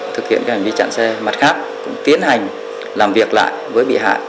thực hiện hành vi chặn xe mặt khác tiến hành làm việc lại với bị hại